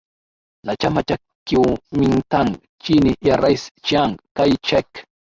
Na chama cha Kiumintang chini ya rais Chiang Kai Shek